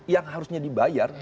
yang harusnya dibayar